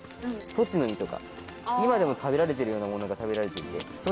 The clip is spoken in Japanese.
栃の実とか今でも食べられてるようなものが食べられていて。